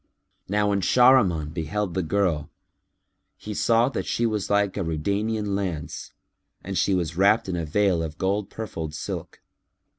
Now when Shahriman beheld the girl, he saw that she was like a Rudaynian lance,[FN#303] and she was wrapped in a veil of gold purfled silk.